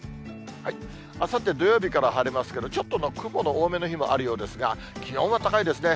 あさって土曜日から晴れますけど、ちょっと雲の多めの日もあるようですが、気温は高いですね。